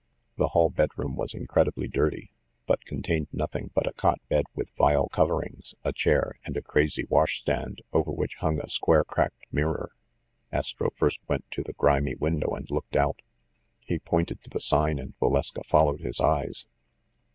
The hall bedroom was incredibly dirty, but con tained nothing but a cot bed with vile coverings, a chair, and a crazy wash stand, over which hung a square cracked mirror. Astro first went to the grimy window and looked out. He pointed to the sign, and Valeska followed his eyes.